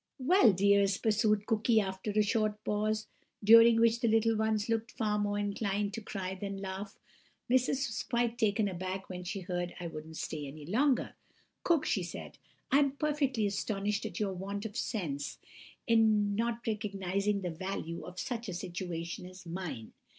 "Well, dears," pursued Cooky, after a short pause, during which the little ones looked far more inclined to cry than laugh, "Missus was quite taken aback when she heard I wouldn't stay any longer. "'Cook,' she said, 'I'm perfectly astonished at your want of sense in not recognizing the value of such a situation as mine!